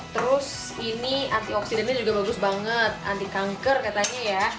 terus ini antioksidannya juga bagus banget anti kanker katanya ya